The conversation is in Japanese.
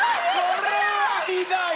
これはひどい！